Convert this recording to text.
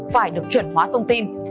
phải được chuẩn hóa thông tin